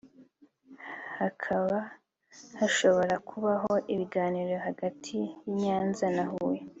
Hakaba hashobora kubaho ibiganiro hagati y’I Nyanza n’i Huye